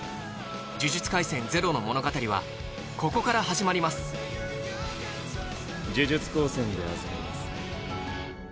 「呪術廻戦０」の物語はここから始まります呪術高専で預かります。